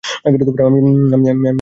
আমি একটু আসছি।